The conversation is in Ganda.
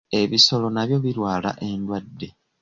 Ebisolo nabyo birwala endwadde.